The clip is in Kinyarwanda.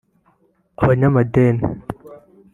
abanyamadini